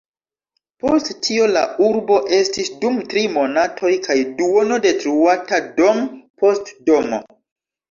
Post tio la urbo estis dum tri monatoj kaj duono detruata dom' post domo.